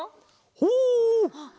ほう！